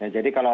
jadi kalau orang